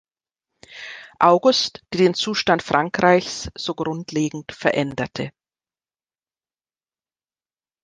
August, die den Zustand Frankreichs so grundlegend veränderte.